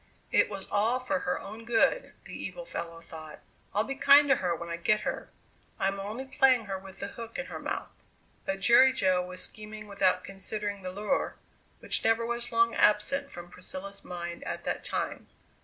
It was all for her own good, the evil fellow thought. "I'll be kind to her when I get her. I'm only playing her with the hook in her mouth." But Jerry Jo was scheming without considering the Lure, which never was long absent from Priscilla's mind at that time.